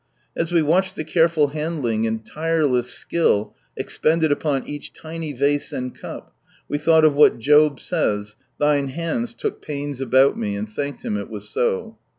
As we watched the careful handling, and tireless skill exjjendeci upon each tiny vase and cup, we thought of what Job says, "Thine hands took pains about me," and thanked Him it was so.